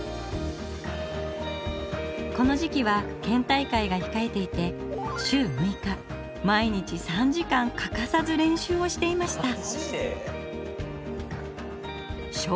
この時期は県大会がひかえていて週６日毎日３時間欠かさず練習をしていました。